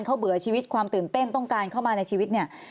เขาเบื่อชีวิตความตื่นเต้นต้องการเข้ามาในชีวิตเนี่ย